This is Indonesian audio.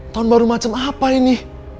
tahun baru macam apa ini